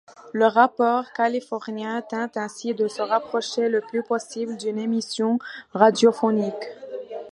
Le rappeur californien tente ainsi de se rapprocher le plus possible d'une émission radiophonique.